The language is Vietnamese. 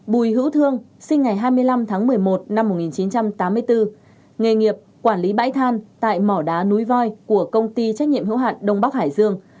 bùi hữu thương sinh ngày hai mươi năm tháng một mươi một năm một nghìn chín trăm tám mươi bốn nghề nghiệp quản lý bãi than tại mỏ đá núi voi của công ty trách nhiệm hữu hạn đông bắc hải dương